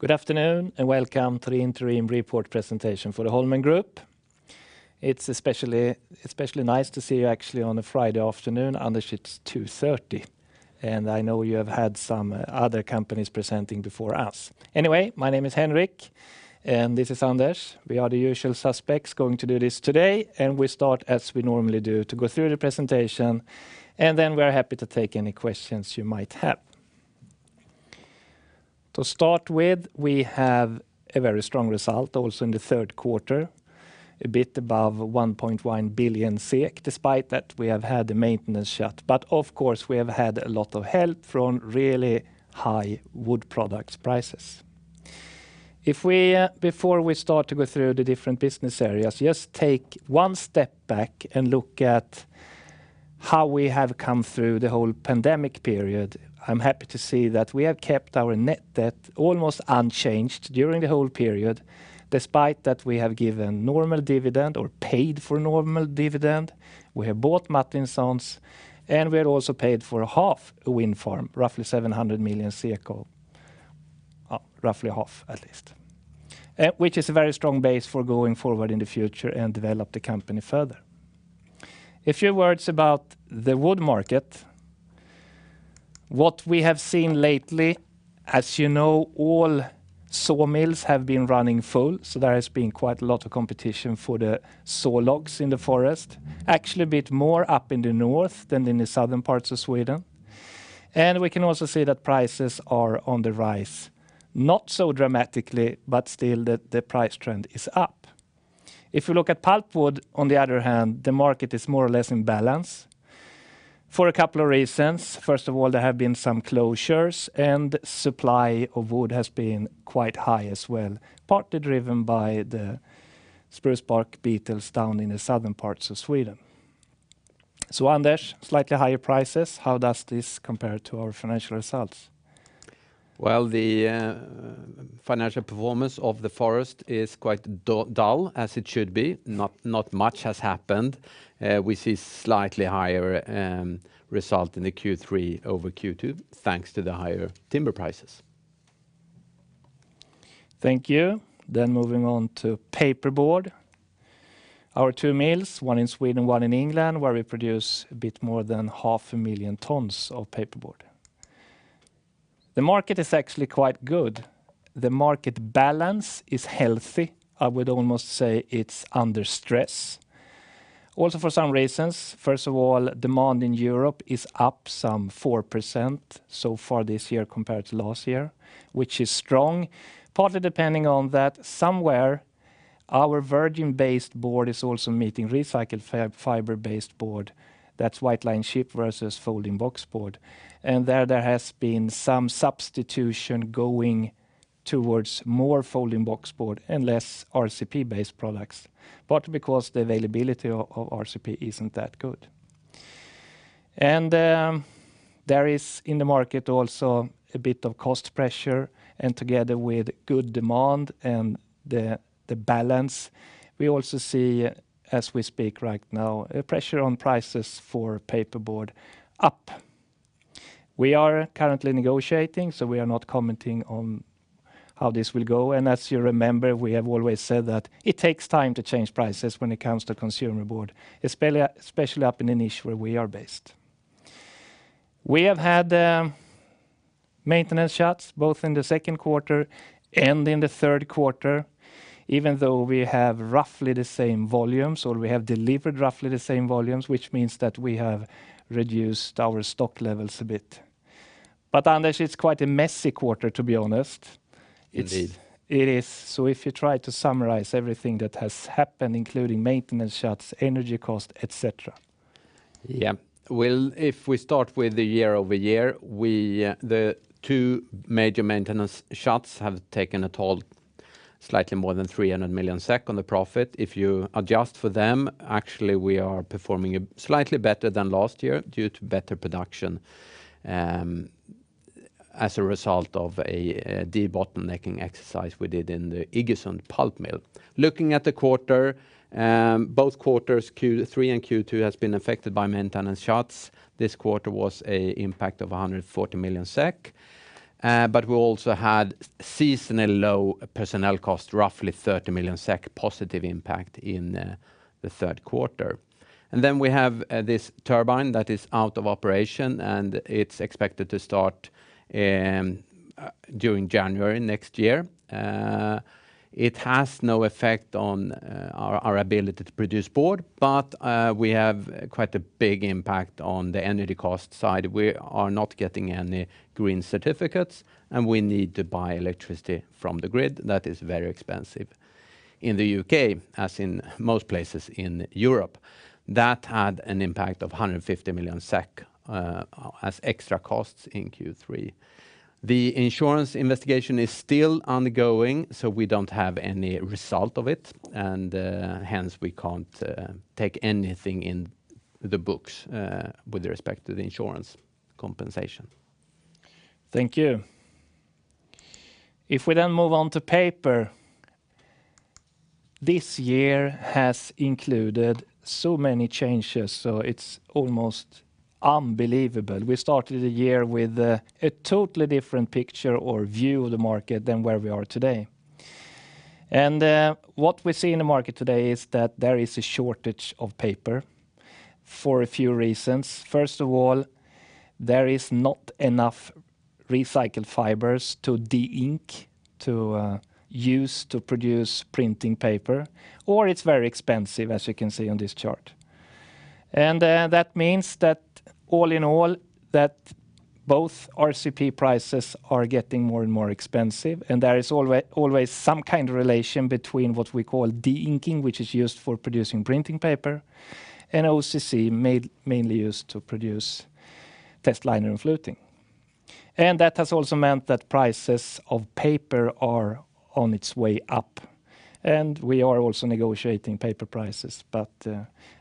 Good afternoon, welcome to the interim report presentation for the Holmen Group. It's especially nice to see you actually on a Friday afternoon. Anders, it's 2:30 P.M., I know you have had some other companies presenting before us. Anyway, my name is Henrik, this is Anders. We are the usual suspects going to do this today, we start as we normally do, to go through the presentation, then we are happy to take any questions you might have. To start with, we have a very strong result also in the Q3, a bit above 1.1 billion SEK, despite that we have had the maintenance shut. Of course, we have had a lot of help from really high wood products prices. Before we start to go through the different business areas, just take one step back and look at how we have come through the whole pandemic period. I'm happy to see that we have kept our net debt almost unchanged during the whole period, despite that we have given normal dividend or paid for normal dividend, we have bought Martinsons, we have also paid for a half a wind farm, roughly 700 million. Roughly half, at least. Which is a very strong base for going forward in the future and develop the company further. A few words about the wood market. What we have seen lately, as you know, all sawmills have been running full, there has been quite a lot of competition for the saw logs in the forest, actually a bit more up in the north than in the southern parts of Sweden. We can also see that prices are on the rise, not so dramatically, but still the price trend is up. If you look at pulpwood, on the other hand, the market is more or less in balance for a couple of reasons. First of all, there have been some closures, and supply of wood has been quite high as well, partly driven by the spruce bark beetles down in the southern parts of Sweden. Anders, slightly higher prices, how does this compare to our financial results? Well, the financial performance of the forest is quite dull, as it should be. Not much has happened. We see slightly higher result in the Q3 over Q2, thanks to the higher timber prices. Thank you. Moving on to paperboard. Our two mills, one in Sweden, one in England, where we produce a bit more than half a million tons of paperboard. The market is actually quite good. The market balance is healthy. I would almost say it's under stress. Also, for some reasons, first of all, demand in Europe is up 4% so far this year compared to last year, which is strong, partly depending on that somewhere our virgin fiber-based board is also meeting recycled fiber-based board. That's white lined chipboard versus folding boxboard. There has been some substitution going towards more folding boxboard and less RCP-based products, partly because the availability of RCP isn't that good. There is in the market also a bit of cost pressure, and together with good demand and the balance, we also see, as we speak right now, a pressure on prices for paperboard up. We are currently negotiating, so we are not commenting on how this will go, and as you remember, we have always said that it takes time to change prices when it comes to consumer board, especially up in the niche where we are based. We have had maintenance shut, both in the Q2 and in the Q3, even though we have roughly the same volumes, or we have delivered roughly the same volumes, which means that we have reduced our stock levels a bit. Anders, it's quite a messy quarter, to be honest. Indeed. It is. If you try to summarize everything that has happened, including maintenance shuts, energy cost, et cetera. Yeah. Well, if we start with the YoY, the two major maintenance shuts have taken a toll slightly more than 300 million SEK on the profit. If you adjust for them, actually, we are performing slightly better than last year due to better production, as a result of a debottlenecking exercise we did in the Iggesund Mill. Looking at the quarter, both quarters, Q3 and Q2, has been affected by maintenance shuts. This quarter was a impact of 140 million SEK, but we also had seasonally low personnel cost, roughly 30 million SEK positive impact in the Q3. We have this turbine that is out of operation, and it's expected to start during January next year. It has no effect on our ability to produce board, but we have quite a big impact on the energy cost side. We are not getting any green certificates, and we need to buy electricity from the grid. That is very expensive in the U.K., as in most places in Europe. That had an impact of 150 million SEK as extra costs in Q3. The insurance investigation is still ongoing, so we don't have any result of it, and hence we can't take anything in the books with respect to the insurance compensation. Thank you. If we move on to paper. This year has included so many changes, so it's almost unbelievable. We started the year with a totally different picture or view of the market than where we are today. What we see in the market today is that there is a shortage of paper for a few reasons. First of all, there is not enough recycled fibers to de-ink to use to produce printing paper, or it's very expensive, as you can see on this chart. That means that all in all, that both RCP prices are getting more and more expensive, and there is always some kind of relation between what we call deinking, which is used for producing printing paper, and OCC, mainly used to produce testliner and fluting. That has also meant that prices of paper are on its way up, and we are also negotiating paper prices.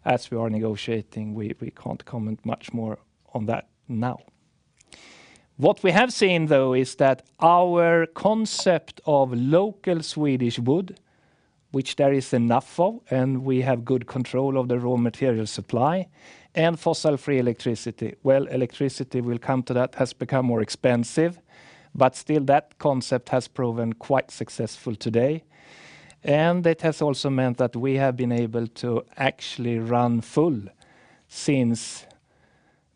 As we are negotiating, we can't comment much more on that now. What we have seen, though, is that our concept of local Swedish wood, which there is enough of, and we have good control of the raw material supply, and fossil-free electricity. Well, electricity, we'll come to that, has become more expensive, but still that concept has proven quite successful today, and it has also meant that we have been able to actually run full since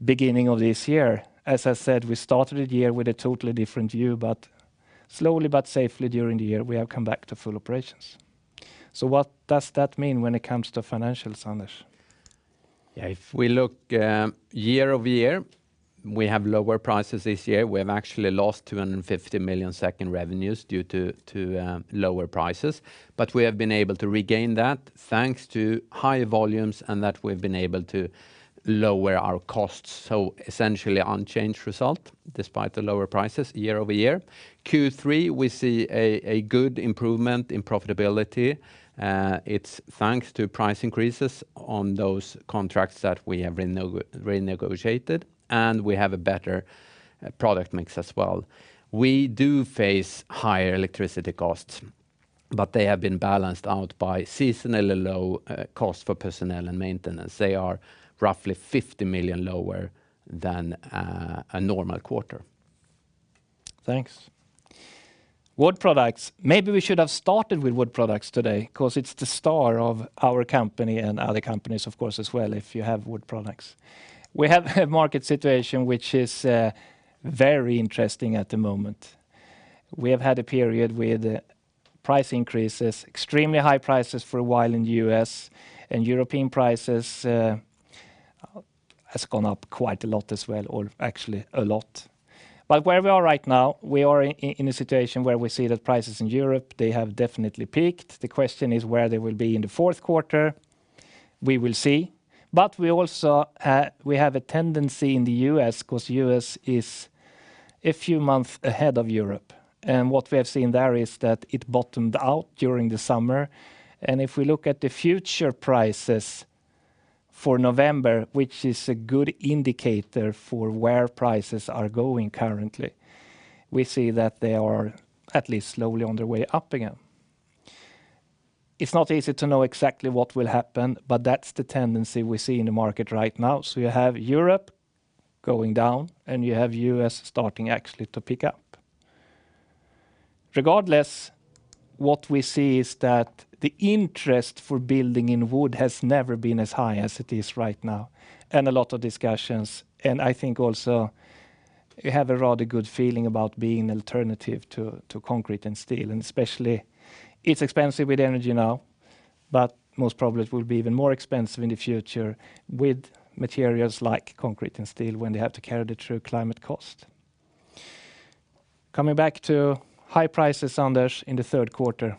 beginning of this year. As I said, we started the year with a totally different view, but slowly, but safely during the year, we have come back to full operations. What does that mean when it comes to financials, Anders? If we look YoY, we have lower prices this year. We have actually lost 250 million in revenues due to lower prices. We have been able to regain that thanks to higher volumes and that we've been able to lower our costs, so essentially unchanged result despite the lower prices YoY. Q3, we see a good improvement in profitability. It's thanks to price increases on those contracts that we have renegotiated, and we have a better product mix as well. We do face higher electricity costs, but they have been balanced out by seasonally low cost for personnel and maintenance. They are roughly 50 million lower than a normal quarter. Thanks. Wood products. Maybe we should have started with wood products today because it's the star of our company and other companies, of course, as well, if you have wood products. We have a market situation which is very interesting at the moment. We have had a period with price increases, extremely high prices for a while in the U.S., and European prices has gone up quite a lot as well, or actually a lot. Where we are right now, we are in a situation where we see that prices in Europe, they have definitely peaked. The question is where they will be in the Q4. We will see. We have a tendency in the U.S., because U.S. is a few months ahead of Europe, and what we have seen there is that it bottomed out during the summer. If we look at the future prices for November, which is a good indicator for where prices are going currently, we see that they are at least slowly on their way up again. It's not easy to know exactly what will happen, but that's the tendency we see in the market right now. You have Europe going down, and you have U.S. starting actually to pick up. Regardless, what we see is that the interest for building in wood has never been as high as it is right now. A lot of discussions, and I think also we have a rather good feeling about being an alternative to concrete and steel, and especially it's expensive with energy now, but most probably it will be even more expensive in the future with materials like concrete and steel when they have to carry the true climate cost. Coming back to high prices, Anders, in the Q3.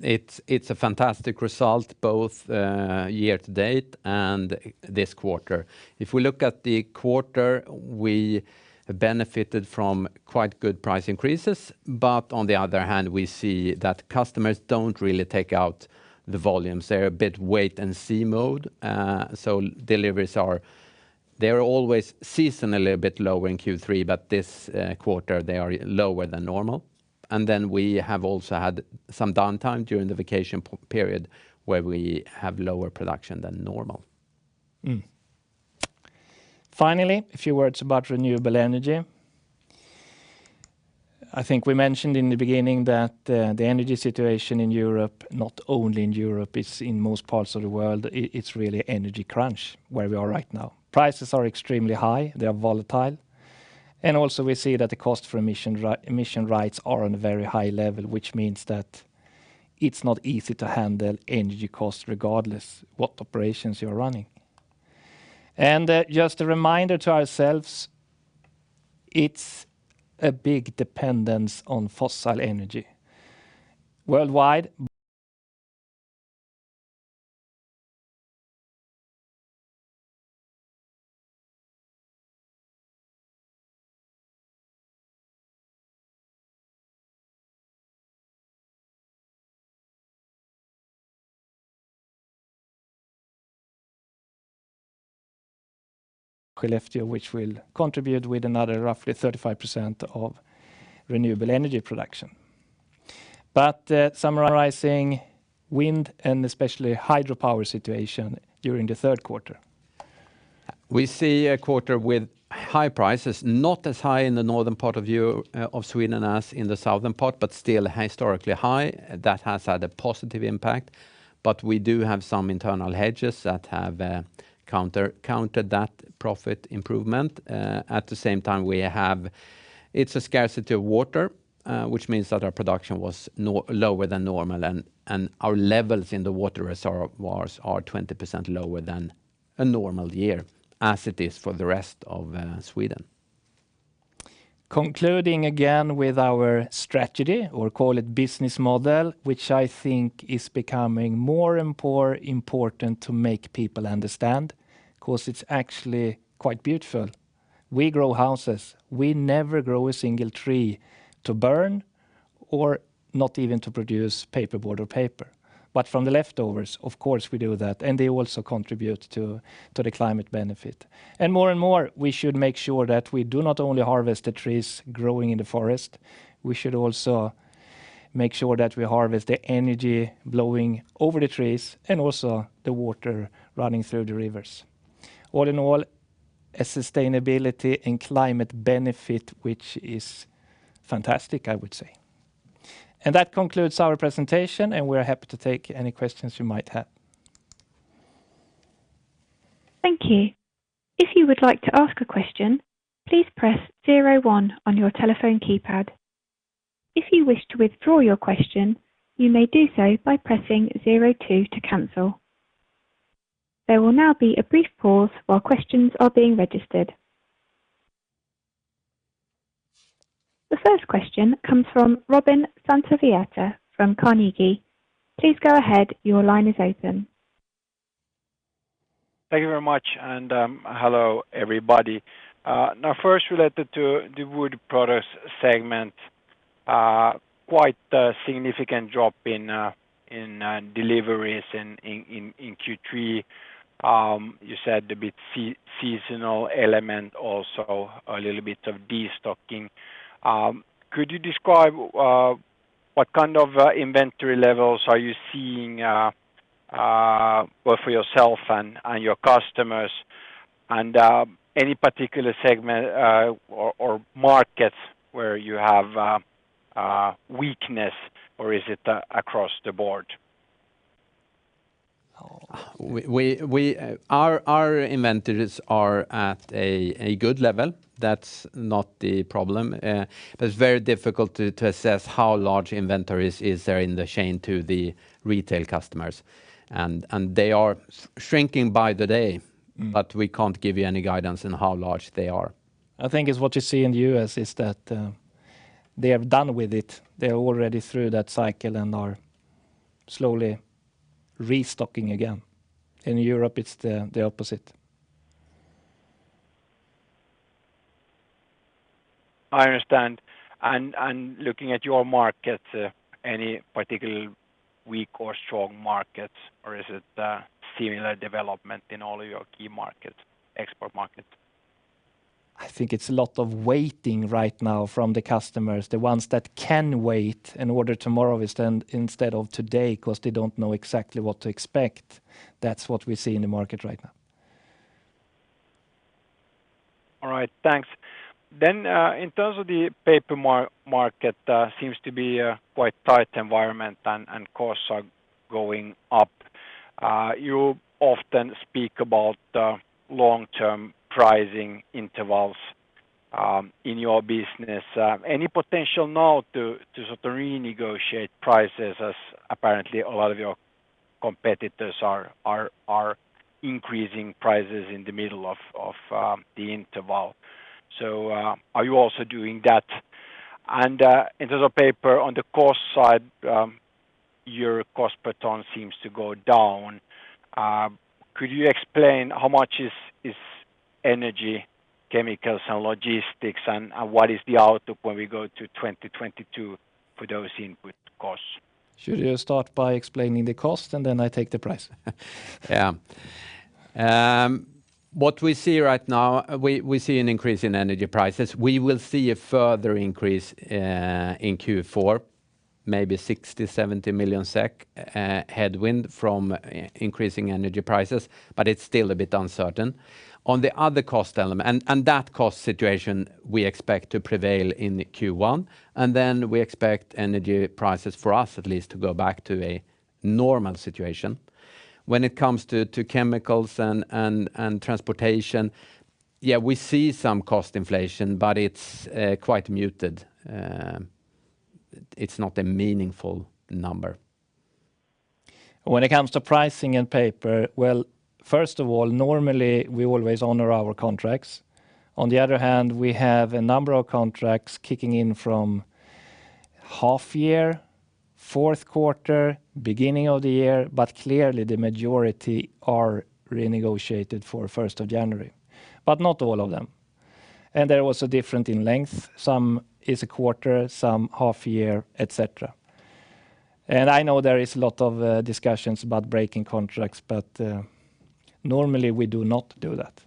It's a fantastic result both year-to-date and this quarter. If we look at the quarter, we benefited from quite good price increases, but on the other hand, we see that customers don't really take out the volumes. They're a bit wait-and-see mode. Deliveries are always seasonally a bit low in Q3, but this quarter they are lower than normal. We have also had some downtime during the vacation period where we have lower production than normal. Finally, a few words about renewable energy. I think we mentioned in the beginning that the energy situation in Europe, not only in Europe, it's in most parts of the world, it's really energy crunch where we are right now. Prices are extremely high. They are volatile. Also we see that the cost for emission rights are on a very high level, which means that it's not easy to handle energy costs regardless what operations you're running. Just a reminder to ourselves, it's a big dependence on fossil energy worldwide. Skellefteå, which will contribute with another roughly 35% of renewable energy production. Summarizing wind and especially hydropower situation during the Q3. We see a quarter with high prices, not as high in the northern part of Sweden as in the southern part, but still historically high. That has had a positive impact, but we do have some internal hedges that have countered that profit improvement. At the same time, it is a scarcity of water, which means that our production was lower than normal and our levels in the water reservoirs are 20% lower than a normal year, as it is for the rest of Sweden. Concluding again with our strategy, or call it business model, which I think is becoming more and more important to make people understand because it's actually quite beautiful. We grow houses. We never grow a single tree to burn or not even to produce paperboard or paper. From the leftovers, of course, we do that, and they also contribute to the climate benefit. More and more, we should make sure that we do not only harvest the trees growing in the forest, we should also make sure that we harvest the energy blowing over the trees and also the water running through the rivers. All in all, a sustainability and climate benefit, which is fantastic, I would say. That concludes our presentation, and we're happy to take any questions you might have. Thank you. If you would like to ask a question, please press zero, one on your telephone keypad. If you wish to withdraw your question, you may do so by pressing zero, tow to cancel. There will now be a brief pause while questions are being registered. The first question comes from Robin Santavirta from Carnegie. Please go ahead. Your line is open. Thank you very much, and hello, everybody. First related to the wood products segment, quite a significant drop in deliveries in Q3. You said a bit seasonal element, also a little bit of destocking. Could you describe what kind of inventory levels are you seeing both for yourself and your customers and any particular segment or markets where you have weakness, or is it across the board? Our inventories are at a good level. That's not the problem. It's very difficult to assess how large inventories is there in the chain to the retail customers. They are shrinking by the day, but we can't give you any guidance on how large they are. I think is what you see in the U.S. is that they have done with it. They're already through that cycle and are slowly restocking again. In Europe, it's the opposite. I understand. Looking at your market, any particular weak or strong markets, or is it a similar development in all your key export markets? I think it's a lot of waiting right now from the customers, the ones that can wait and order tomorrow instead of today because they don't know exactly what to expect. That's what we see in the market right now. All right. Thanks. In terms of the paper market, seems to be a quite tight environment and costs are going up. You often speak about the long-term pricing intervals in your business. Any potential now to sort of renegotiate prices as apparently a lot of your competitors are increasing prices in the middle of the interval? Are you also doing that? In terms of paper, on the cost side, your cost per ton seems to go down. Could you explain how much is energy, chemicals, and logistics and what is the outlook when we go to 2022 for those input costs? Should you start by explaining the cost, and then I take the price? Yeah. What we see right now, we see an increase in energy prices. We will see a further increase in Q4, maybe 60 million-70 million SEK headwind from increasing energy prices. It's still a bit uncertain. That cost situation we expect to prevail in Q1. Then we expect energy prices for us at least to go back to a normal situation. When it comes to chemicals and transportation, yeah, we see some cost inflation. It's quite muted. It's not a meaningful number. When it comes to pricing and paper, well, first of all, normally, we always honor our contracts. On the other hand, we have a number of contracts kicking in from half year, Q4, beginning of the year, clearly, the majority are renegotiated for January 1st, but not all of them. They're also different in length. Some is a quarter, some half year, et cetera. I know there is a lot of discussions about breaking contracts, but normally we do not do that.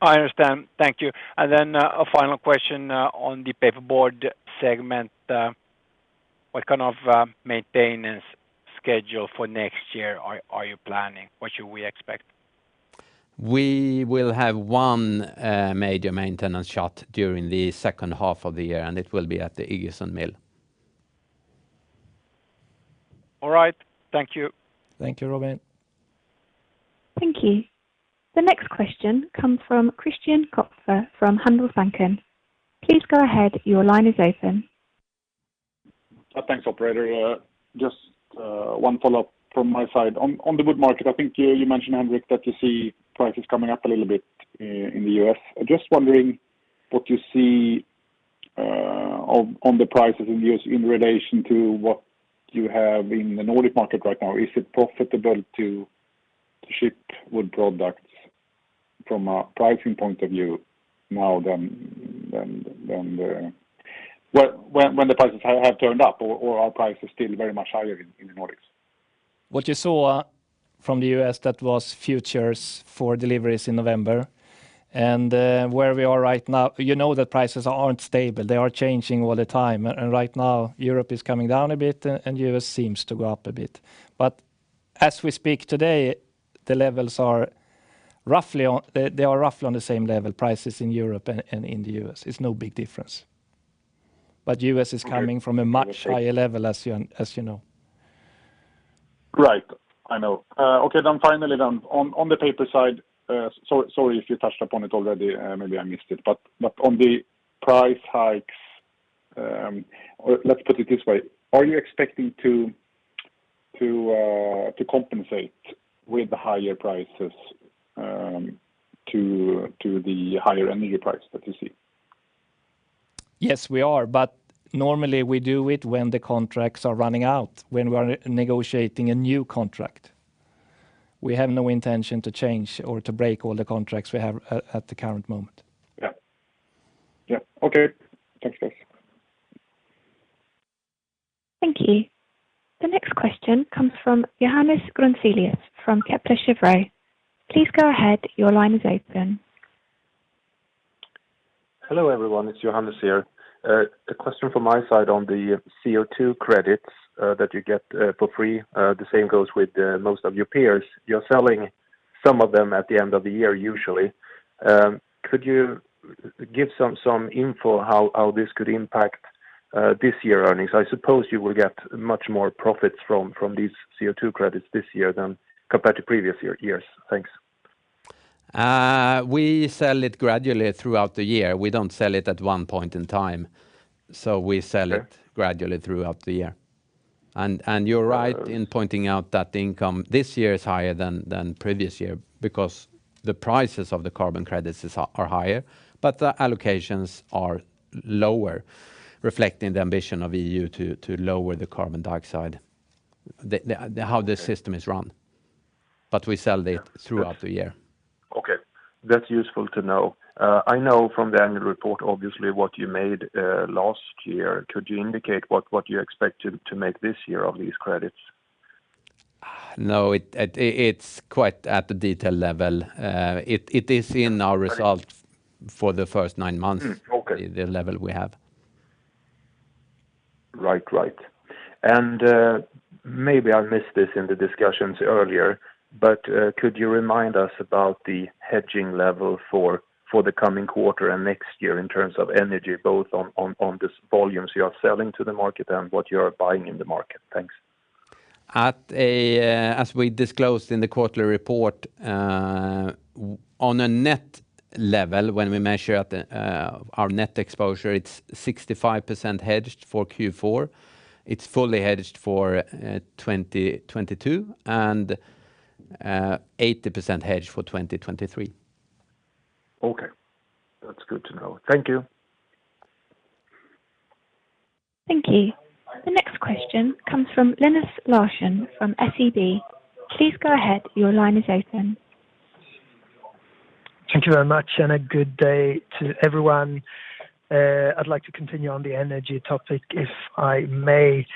I understand. Thank you. Then a final question on the paperboard segment. What kind of maintenance schedule for next year are you planning? What should we expect? We will have one major maintenance shut during the H2 of the year, and it will be at the Iggesund Mill. All right. Thank you. Thank you, Robin. Thank you. The next question comes from Christian Kopfer from Handelsbanken. Please go ahead. Your line is open. Thanks, operator. Just one follow-up from my side. On the wood market, I think you mentioned, Henrik, that you see prices coming up a little bit in the U.S. Just wondering what you see on the prices in the U.S. in relation to what you have in the Nordic market right now. Is it profitable to ship wood products from a pricing point of view now than when the prices have turned up? Or are prices still very much higher in the Nordics? What you saw from the U.S., that was futures for deliveries in November. Where we are right now, you know that prices aren't stable. They are changing all the time. Right now, Europe is coming down a bit, and U.S. seems to go up a bit. As we speak today, they are roughly on the same level prices in Europe and in the U.S. It's no big difference. U.S. is coming from a much higher level, as you know. Right. I know. Okay, finally, then, on the paper side, sorry if you touched upon it already, maybe I missed it, on the price hikes, or let's put it this way, are you expecting to compensate with the higher prices to the higher energy price that you see? Yes, we are. Normally we do it when the contracts are running out, when we're negotiating a new contract. We have no intention to change or to break all the contracts we have at the current moment. Yeah. Okay. Thanks. Thank you. The next question comes from Johannes Grunselius from Kepler Cheuvreux. Please go ahead. Your line is open. Hello, everyone. It's Johannes here. A question from my side on the CO2 credits that you get for free. The same goes with most of your peers. You're selling some of them at the end of the year, usually. Could you give some info how this could impact this year earnings? I suppose you will get much more profits from these CO2 credits this year compared to previous years. Thanks. We sell it gradually throughout the year. We don't sell it at one point in time. We sell it gradually throughout the year. You're right in pointing out that the income this year is higher than previous year because the prices of the carbon credits are higher, but the allocations are lower, reflecting the ambition of EU to lower the carbon dioxide, how the system is run. We sell it throughout the year. Okay. That's useful to know. I know from the annual report, obviously, what you made last year. Could you indicate what you expect to make this year of these credits? No, it is quite at the detail level. It is in our result for the first nine months. Okay The level we have. Maybe I missed this in the discussions earlier, but could you remind us about the hedging level for the coming quarter and next year in terms of energy, both on these volumes you are selling to the market and what you are buying in the market? Thanks. As we disclosed in the quarterly report, on a net level, when we measure our net exposure, it is 65% hedged for Q4. It is fully hedged for 2022, and 80% hedged for 2023. Okay. That's good to know. Thank you. Thank you. The next question comes from Linus Larsson from SEB. Please go ahead. Thank you very much, and a good day to everyone. I'd like to continue on the energy topic, if I may.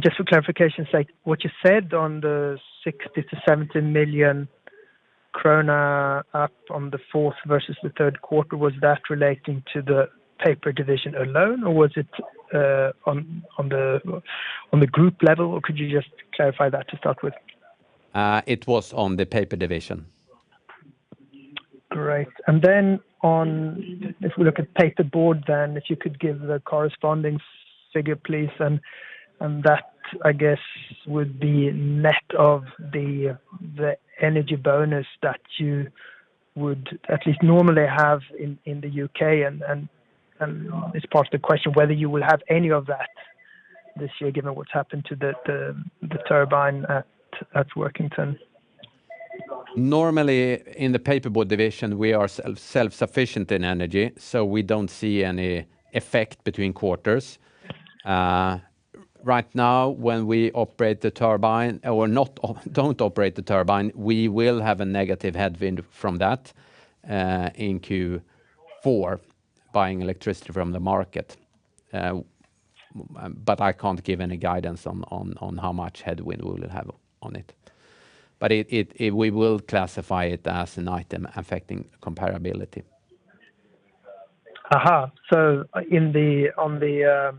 Just for clarification sake, what you said on the 60 million-70 million krona up on the fourth versus the third quarter, was that relating to the paper division alone, or was it on the Group level, or could you just clarify that to start with? It was on the paper division. Great. If we look at paperboard then, if you could give the corresponding figure, please, and that I guess would be net of the energy bonus that you would at least normally have in the U.K., and it's part of the question whether you will have any of that this year given what's happened to the turbine at Workington. Normally, in the paperboard division, we are self-sufficient in energy. We don't see any effect between quarters. Okay Right now, when we operate the turbine, or don't operate the turbine, we will have a negative headwind from that in Q4, buying electricity from the market. I can't give any guidance on how much headwind we will have on it. We will classify it as an item affecting comparability. On the,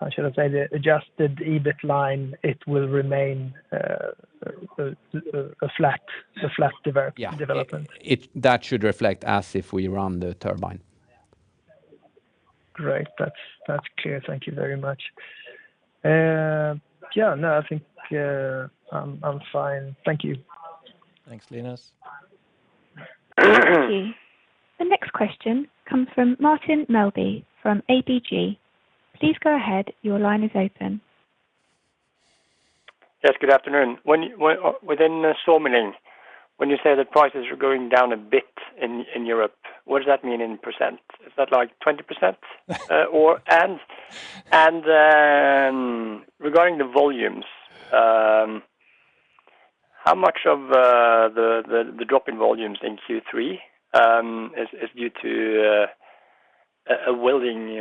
how should I say, the adjusted EBIT line, it will remain a flat development? Yeah. That should reflect as if we run the turbine. Great. That's clear. Thank you very much. Yeah, no, I think I'm fine. Thank you. Thanks, Linus. Thank you. The next question comes from Martin Melbye from ABG. Please go ahead, your line is open. Yes, good afternoon. Within Sawmilling, when you say that prices are going down a bit in Europe, what does that mean in percent? Is that 20%? Regarding the volumes, how much of the drop in volumes in Q3 is due to a willingly,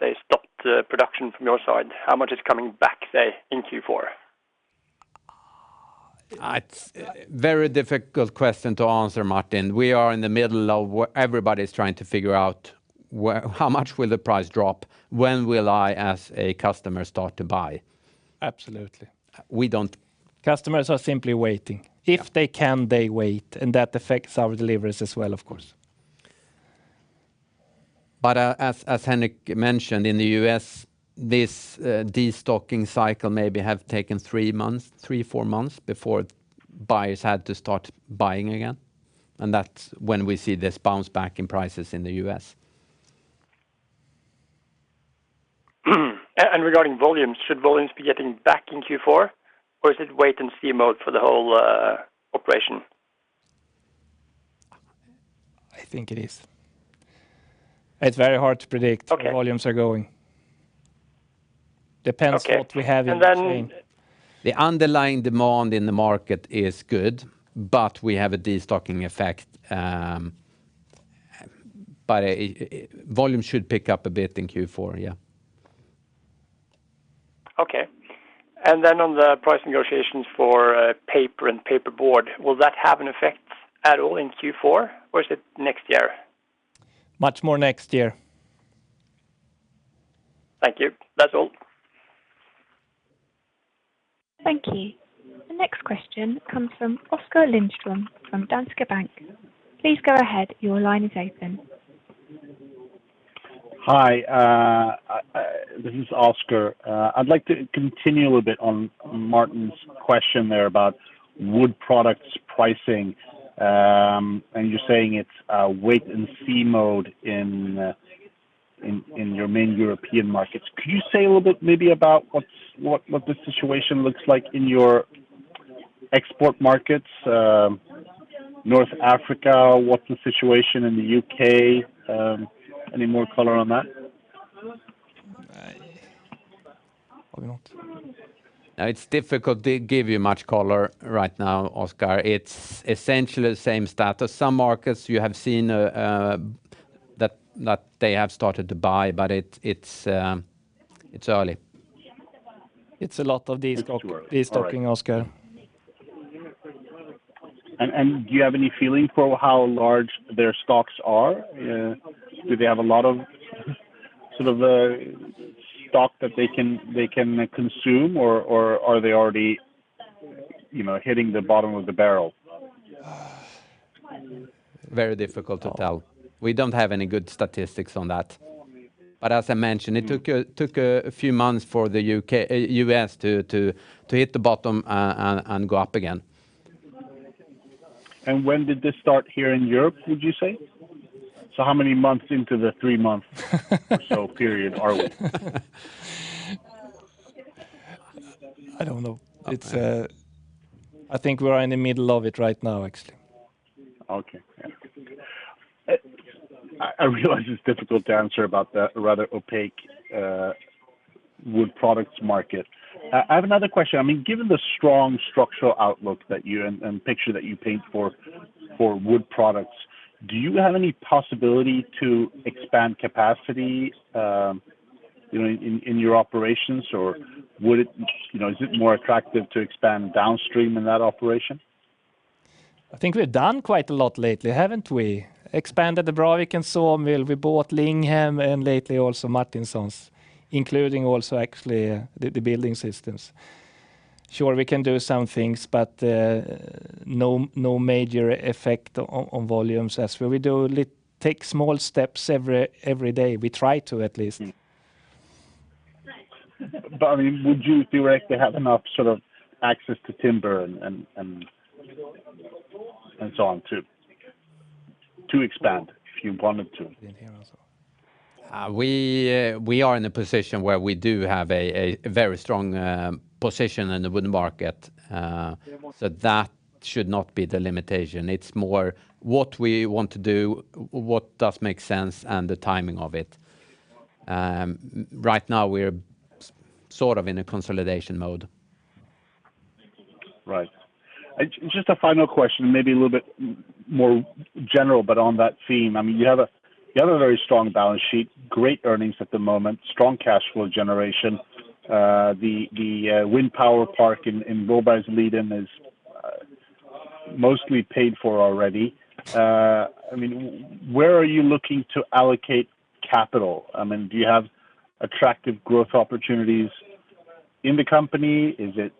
say, stopped production from your side? How much is coming back, say, in Q4? It's a very difficult question to answer, Martin. We are in the middle of everybody's trying to figure out how much will the price drop? When will I, as a customer, start to buy? Absolutely. We don't. Customers are simply waiting. If they can, they wait, and that affects our deliveries as well, of course. As Henrik mentioned, in the U.S., this de-stocking cycle maybe have taken three, four months before buyers had to start buying again, and that's when we see this bounce back in prices in the U.S. Regarding volumes, should volumes be getting back in Q4? Or is it wait and see mode for the whole operation? I think it is. It's very hard to predict. Okay. Where volumes are going. Depends what we have in between. The underlying demand in the market is good, but we have a de-stocking effect. Volume should pick up a bit in Q4, yeah. Okay. Then on the price negotiations for paper and paperboard, will that have an effect at all in Q4, or is it next year? Much more next year. Thank you. That's all. Thank you. The next question comes from Oskar Lindström from Danske Bank. Please go ahead, your line is open. Hi, this is Oskar. I'd like to continue a little bit on Martin's question there about wood products pricing. You're saying it's a wait and see mode in your main European markets. Could you say a little bit maybe about what the situation looks like in your export markets? North Africa, what's the situation in the U.K.? Any more color on that? No. We don't. It's difficult to give you much color right now, Oskar. It's essentially the same status. Some markets you have seen that they have started to buy, but it's early. It's a lot of destocking, Oskar. Do you have any feeling for how large their stocks are? Do they have a lot of stock that they can consume, or are they already hitting the bottom of the barrel? Very difficult to tell. We don't have any good statistics on that. As I mentioned, it took a few months for the U.S. to hit the bottom and go up again. When did this start here in Europe, would you say? How many months into the 3 months or so period are we? I don't know. I think we're in the middle of it right now, actually. Okay. I realize it's difficult to answer about the rather opaque wood products market. I have another question. Given the strong structural outlook and picture that you paint for wood products, do you have any possibility to expand capacity in your operations? Or is it more attractive to expand downstream in that operation? I think we've done quite a lot lately, haven't we? We expanded the Braviken sawmill. We bought Linghem, and lately also Martinsons, including also, actually, the building systems. Sure, we can do some things, but no major effect on volumes as we take small steps every day. We try to, at least. Would you directly have enough access to timber and so on to expand if you wanted to? We are in a position where we do have a very strong position in the wooden market, so that should not be the limitation. It's more what we want to do, what does make sense, and the timing of it. Right now, we're sort of in a consolidation mode Just a final question, maybe a little bit more general, but on that theme. You have a very strong balance sheet, great earnings at the moment, strong cash flow generation. The wind power park in Blåbergsliden is mostly paid for already. Where are you looking to allocate capital? Do you have attractive growth opportunities in the company? Is it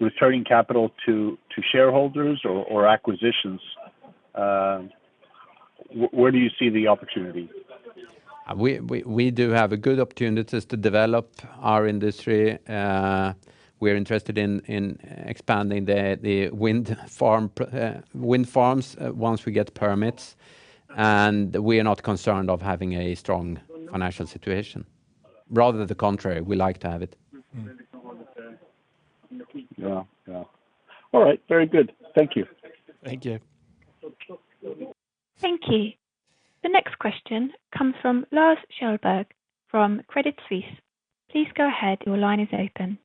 returning capital to shareholders or acquisitions? Where do you see the opportunity? We do have good opportunities to develop our industry. We're interested in expanding the wind farms once we get permits, and we are not concerned of having a strong financial situation. Rather the contrary, we like to have it. Yeah. All right. Very good. Thank you. Thank you. Thank you. The next question comes from Lars Kjellberg from Credit Suisse. Please go ahead, your line is open.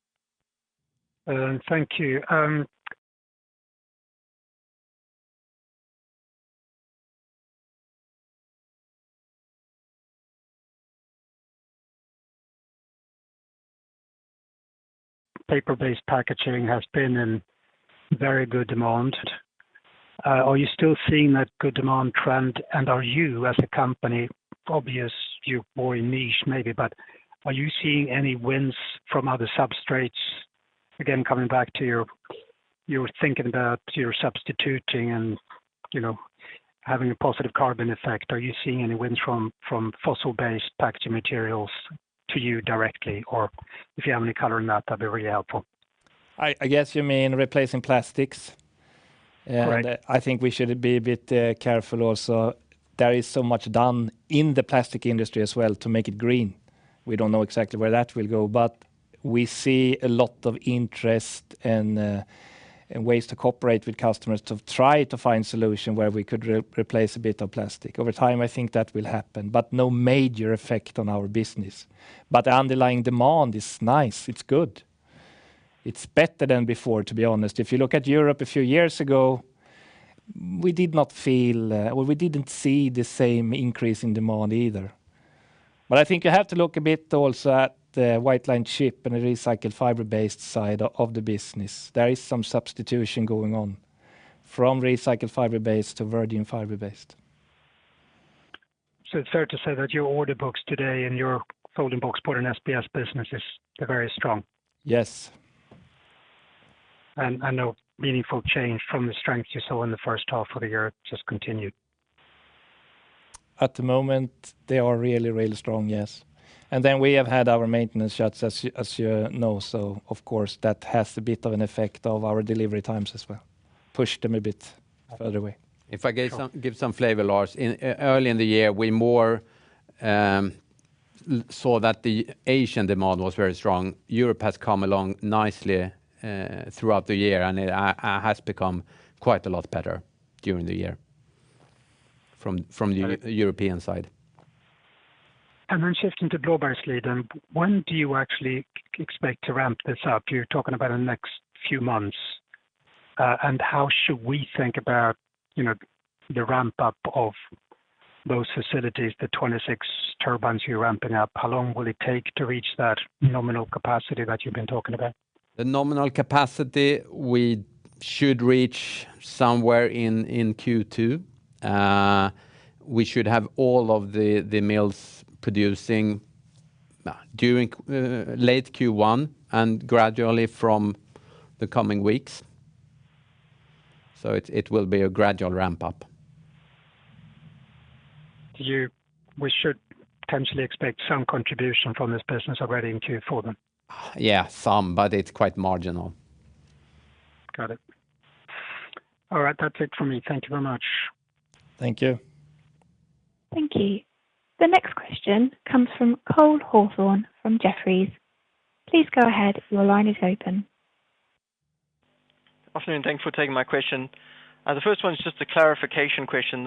Thank you. Paper-based packaging has been in very good demand. Are you still seeing that good demand trend? Are you, as a company, obvious you're more in niche maybe, but are you seeing any wins from other substrates? Again, coming back to your thinking about your substituting and having a positive carbon effect, are you seeing any wins from fossil-based packaging materials to you directly, or if you have any color on that'd be really helpful. I guess you mean replacing plastics? Correct. I think we should be a bit careful also. There is so much done in the plastic industry as well to make it green. We don't know exactly where that will go, but we see a lot of interest and ways to cooperate with customers to try to find solution where we could replace a bit of plastic. Over time, I think that will happen, but no major effect on our business. The underlying demand is nice. It's good. It's better than before, to be honest. If you look at Europe a few years ago, we didn't see the same increase in demand either. I think you have to look a bit also at the white lined chipboard and the recycled fiber-based side of the business. There is some substitution going on from recycled fiber-based to virgin fiber-based. It's fair to say that your order books today and your folding boxboard and SBS business is very strong? Yes. No meaningful change from the strength you saw in the H1 of the year, just continued. At the moment, they are really, really strong, yes. We have had our maintenance shuts, as you know, of course, that has a bit of an effect of our delivery times as well, pushed them a bit further away. If I give some flavor, Lars. Early in the year, we more saw that the Asian demand was very strong. Europe has come along nicely throughout the year, and it has become quite a lot better during the year from the European side. Shifting to Blåbergsliden, when do you actually expect to ramp this up? You're talking about the next few months. How should we think about the ramp-up of those facilities, the 26 turbines you're ramping up? How long will it take to reach that nominal capacity that you've been talking about? The nominal capacity we should reach somewhere in Q2. We should have all of the mills producing during late Q1 and gradually from the coming weeks. It will be a gradual ramp-up. We should potentially expect some contribution from this business already in Q4, then? Yeah, some, but it's quite marginal. Got it. All right. That's it from me. Thank you very much. Thank you. Thank you. The next question comes from Cole Hathorn from Jefferies. Please go ahead, your line is open. Afternoon. Thanks for taking my question. The first one is just a clarification question.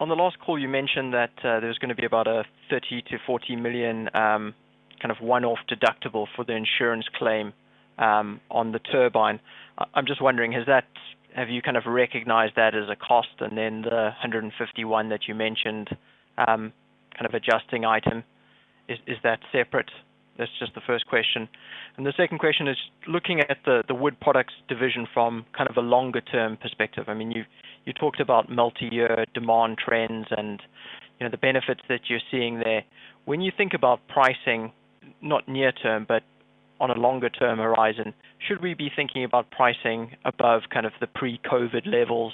On the last call, you mentioned that there's going to be about a 30 million-40 million, kind of one-off deductible for the insurance claim on the turbine. I'm just wondering, have you recognized that as a cost? Then the 151 that you mentioned, kind of adjusting item, is that separate? That's just the first question. The second question is looking at the Wood Products division from kind of a longer-term perspective. You talked about multi-year demand trends and the benefits that you're seeing there. When you think about pricing, not near term, but on a longer-term horizon, should we be thinking about pricing above the pre-COVID levels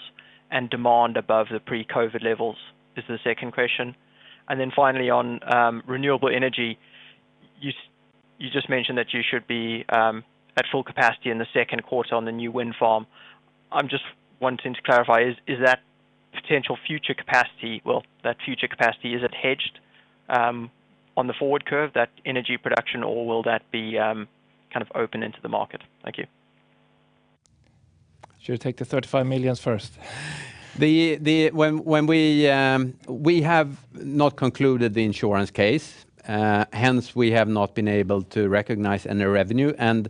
and demand above the pre-COVID levels? This is the second question. Finally on renewable energy, you just mentioned that you should be at full capacity in the second quarter on the new wind farm. I'm just wanting to clarify, is that potential future capacity, is it hedged on the forward curve, that energy production, or will that be open into the market? Thank you. Should we take the 35 million first? We have not concluded the insurance case, hence we have not been able to recognize any revenue, and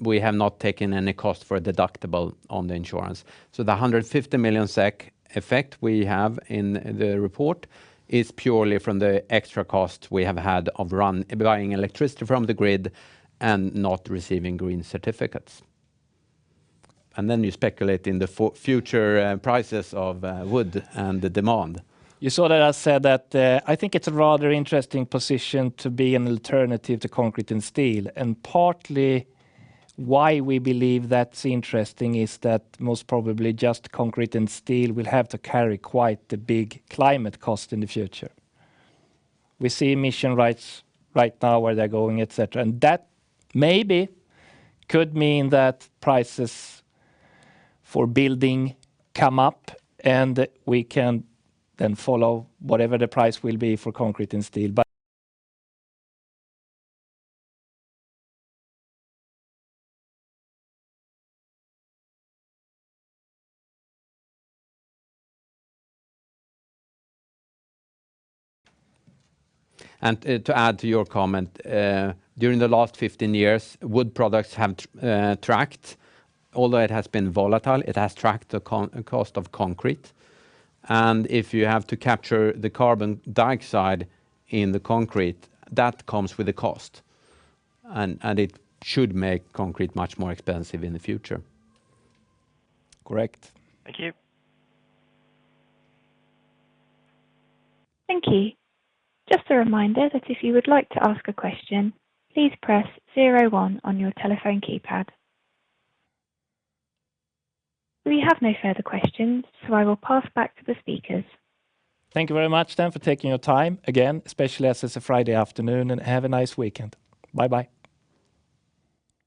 we have not taken any cost for deductible on the insurance. The 150 million SEK effect we have in the report is purely from the extra cost we have had of buying electricity from the grid and not receiving green certificates. You speculate in the future prices of wood and the demand. You saw that I said that I think it's a rather interesting position to be an alternative to concrete and steel. Partly why we believe that's interesting is that most probably just concrete and steel will have to carry quite the big climate cost in the future. We see emission rights right now, where they're going, et cetera, and that maybe could mean that prices for building come up, and we can then follow whatever the price will be for concrete and steel. To add to your comment, during the last 15 years, wood products have tracked, although it has been volatile, it has tracked the cost of concrete. If you have to capture the carbon dioxide in the concrete, that comes with a cost. It should make concrete much more expensive in the future. Correct. Thank you. Thank you. Just a reminder that if would like to ask a question please press zero, one on your telephone keypad. We have no further questions, so I will pass back to the speakers. Thank you very much for taking your time, again, especially as it's a Friday afternoon, and have a nice weekend. Bye-bye.